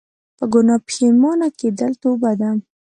په ګناه پښیمانه کيدل توبه ده